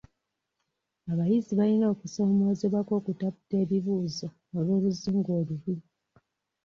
Abayizi balina okusoomoozebwa kw'okutaputa ebibuuzo olw'oluzungu olubi.